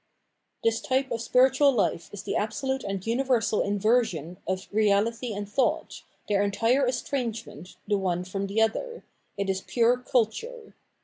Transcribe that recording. This type of spiritual life is the absolute and universal inversion of reahty and thought, their entire estrange ment the one from the other ; it is pure culture.